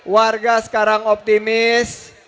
warga sekarang optimis